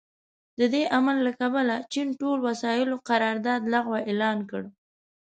د دې عمل له کبله چین ټول وسايلو قرارداد لغوه اعلان کړ.